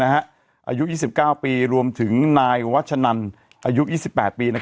อายุ๒๙ปีรวมถึงนายวัชนันอายุ๒๘ปี